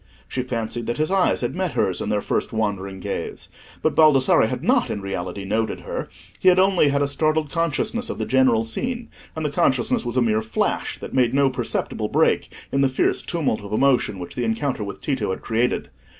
She fancied that his eyes had met hers in their first wandering gaze; but Baldassarre had not, in reality, noted her; he had only had a startled consciousness of the general scene, and the consciousness was a mere flash that made no perceptible break in the fierce tumult of emotion which the encounter with Tito had created.